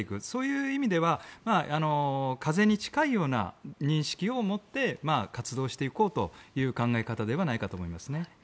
そういう意味では風邪に近いような認識を持って活動していこうという考え方ではないかと思いますね。